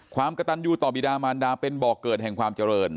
ความกระตันยูต่อบิดามารดาเป็นบ่อเกิดแห่งความเจริญ